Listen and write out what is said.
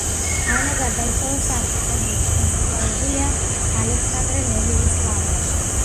ანა გარდაიცვალა სანქტ პეტერბურგში და დასაფლავებულია ალექსანდრე ნეველის ლავრაში.